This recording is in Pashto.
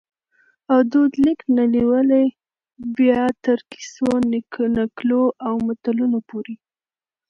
او دود لیک نه نیولي بیا تر کیسو ، نکلو او متلونو پوري